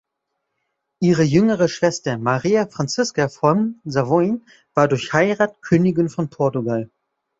Ihre jüngere Schwester, Maria Francisca von Savoyen, war durch Heirat Königin von Portugal.